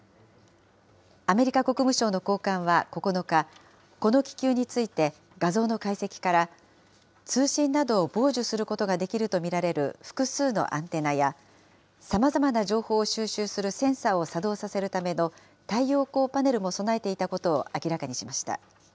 アメリカ国務省の高官は９日、この気球について、画像の解析から、通信などを傍受することができると見られる複数のアンテナや、さまざまな情報を収集するセンサーを作動させるための太陽光パネルも備えていたことを明らかにしました。